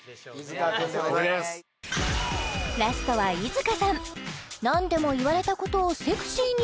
ラストは猪塚さんとは？